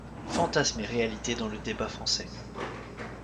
Fantasmes et réalités dans le débat français.